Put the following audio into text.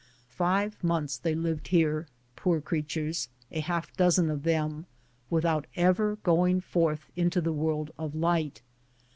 Five months they lived here, poor creatures, a half dozen of them, Avithout ever going forth into the world of light.